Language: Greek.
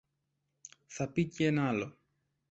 Θα πει κι ένα άλλο